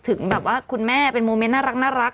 ถึงแบบว่าคุณแม่เป็นโมเมนต์น่ารัก